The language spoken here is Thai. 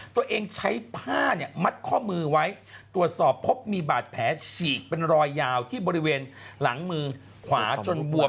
ตัวเองใช้ผ้าเนี่ยมัดข้อมือไว้ตรวจสอบพบมีบาดแผลฉีกเป็นรอยยาวที่บริเวณหลังมือขวาจนบวม